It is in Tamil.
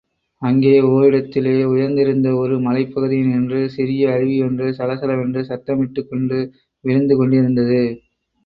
அங்கே ஓரிடத்திலே உயர்ந்திருந்த ஒரு மலைப்பகுதியினின்று சிறிய அருவியொன்று சலசலவென்று சத்தமிட்டுக் கொண்டு விழுந்துகொண்டிருந்தது.